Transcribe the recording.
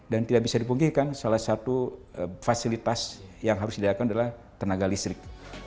dan tidak bisa dipungkirkan salah satu fasilitas yang harus didapatkan adalah tenaga listrik